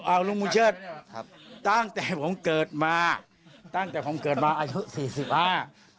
อ้าวลุงบุญเชิดตั้งแต่ผมเกิดมาตั้งแต่ผมเกิดมาอายุ๔๐อาหาร